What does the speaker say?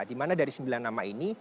di mana dari sembilan nama ini